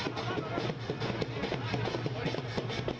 perkembangannya menjadi dunia agama terkecil